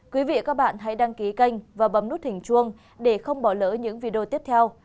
quý vị các bạn hãy đăng ký kênh và bấm nút thỉnh chuông để không bỏ lỡ những video tiếp theo